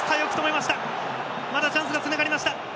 まだチャンスはつながりました。